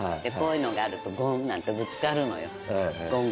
でこういうのがあるとゴン！なんてぶつかるのよ。